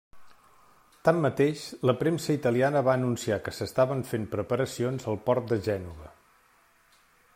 Tanmateix, la premsa italiana va anunciar que s'estaven fent preparacions al port de Gènova.